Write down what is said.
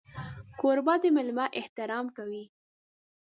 کوربه د مېلمه احترام کوي.